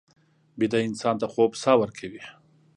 ویده انسان ته خوب ساه ورکوي